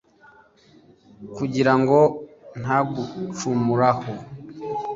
kugira ngo ntagucumuraho